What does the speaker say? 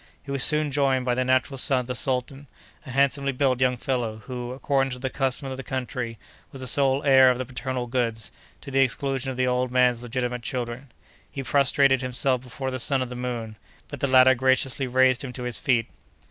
He was soon joined by the natural son of the sultan, a handsomely built young fellow, who, according to the custom of the country, was the sole heir of the paternal goods, to the exclusion of the old man's legitimate children. He prostrated himself before the son of the moon, but the latter graciously raised him to his feet.